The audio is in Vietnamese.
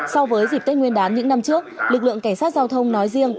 so với dịp tết nguyên đán những năm trước lực lượng cảnh sát giao thông nói riêng